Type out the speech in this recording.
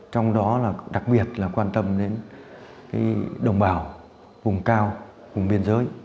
trong đó là đặc biệt là quan tâm đến đồng bào vùng cao vùng biên giới